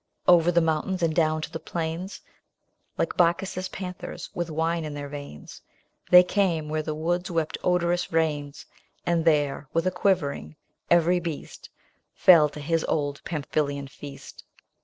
Over the mountains and down to the plains ) Like Bacchus's panthers with wine in their veins, [âº They came where the woods wept odorous rains ; J And there, with a quivering, every beast Fell to his old Pamphylian feast.